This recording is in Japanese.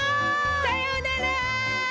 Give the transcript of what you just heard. さようなら！